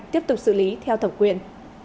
tiếp tục xử lý theo thẩm quyền